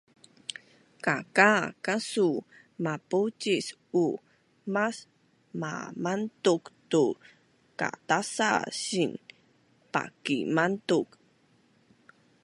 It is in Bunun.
Kakaa kasu mapacis-u mas mamantuk tu katasa siin pakimantuk